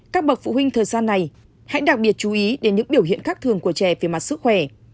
các bậc phụ huynh thời gian này hãy đặc biệt chú ý đến những biểu hiện khác thường của trẻ về mặt sức khỏe